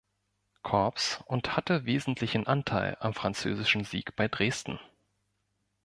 Korps und hatte wesentlichen Anteil am französischen Sieg bei Dresden.